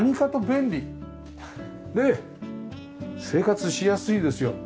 生活しやすいですよ。